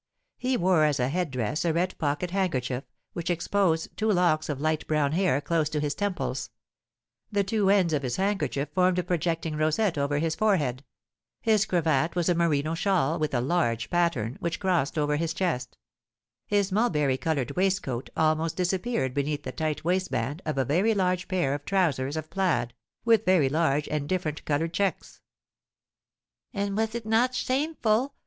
He wore as a head dress a red pocket handkerchief, which exposed two locks of light brown hair close to his temples; the two ends of his handkerchief formed a projecting rosette over his forehead; his cravat was a merino shawl, with a large pattern, which crossed over his chest; his mulberry coloured waistcoat almost disappeared beneath the tight waistband of a very large pair of trousers of plaid, with very large and different coloured checks. "And was not that shameful?